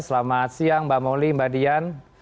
selamat siang mbak moli mbak dian